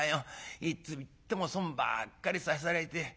いつ行っても損ばっかりさせられて。